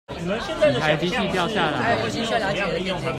幾台機器掉下來